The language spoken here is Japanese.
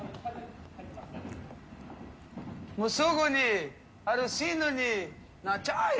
もうすぐに、アルシンドになっちゃうよ。